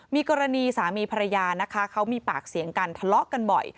มีกรณีสามีภรรยานะคะเขามีปากเสียงกันทะเลาะกันบ่อย